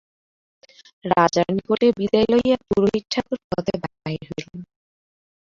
রাজার নিকটে বিদায় লইয়া পুরোহিত ঠাকুর পথে বাহির হইলেন।